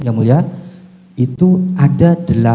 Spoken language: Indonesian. yang mulia itu ada